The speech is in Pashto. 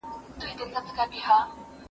تاسي په خپلو کارونو کي تکړه یاست.